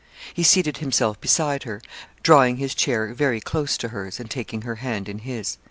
He seated himself beside her, drawing his chair very close to hers, and taking her hand in his.